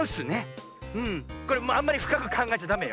これあんまりふかくかんがえちゃダメよ。